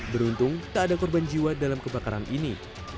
beruntung tak ada korban jiwa dalam kebakaran ini